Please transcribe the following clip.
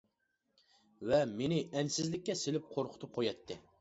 ۋە مېنى ئەنسىزلىككە سېلىپ قورقۇتۇپ قوياتتى.